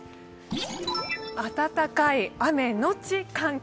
暖かい雨のち寒気。